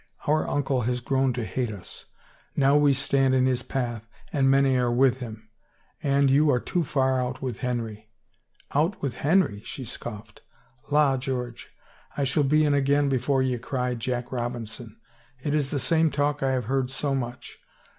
Our uncle has grown to hate us. Now we stand in his path, and many are with him. And you are too far out with Henry." " Out with Henry ?" she scoffed. " La, George, I shall be in again before ye cry Jack Robinson I It is the same talk I have heard so much.